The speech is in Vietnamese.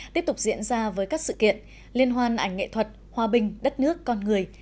tiếp tục diễn ra với các sự kiện liên hoan ảnh nghệ thuật hòa bình đất nước con người